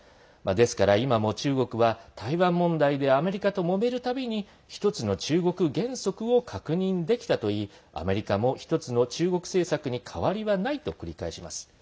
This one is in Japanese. ですから、今も中国は台湾問題でアメリカと、もめるたびにひとつの中国原則を確認できたといいアメリカもひとつの中国政策に変わりはないと繰り返します。